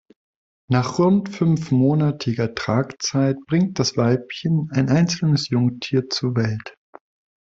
Nach rund fünfmonatiger Tragzeit bringt das Weibchen ein einzelnes Jungtier zur Welt.